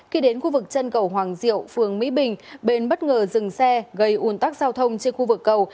khi đến khu vực chân cầu hoàng diệu phường mỹ bình bất ngờ dừng xe gây ủn tắc giao thông trên khu vực cầu